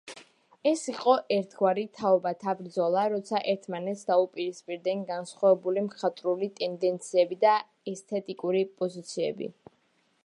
ეს იყო ერთგვარი „თაობათა ბრძოლა“, როცა ერთმანეთს დაუპირისპირდნენ განსხვავებული მხატვრული ტენდენციები და ესთეტიკური პოზიციები.